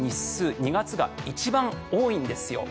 ２月が一番多いんですよ。